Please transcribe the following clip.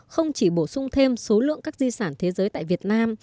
không chỉ bổ sung thêm số lượng các di sản thế giới tại việt nam